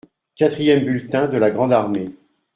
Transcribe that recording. Quatrième bulletin de la grande armée.